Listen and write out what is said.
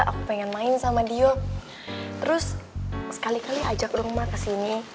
aku pengen main sama dio terus sekali kali ajak rumah kesini